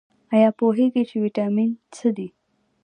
ایا پوهیږئ چې ویټامین څه دي؟